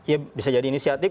iya bisa jadi inisiatif